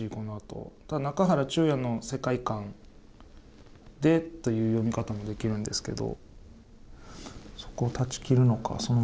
中原中也の世界観でという読み方もできるんですけど。